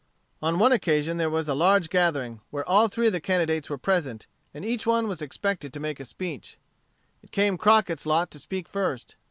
On one occasion there was a large gathering, where all three of the candidates were present, and each one was expected to make a speech. It came Crockett's lot to speak first.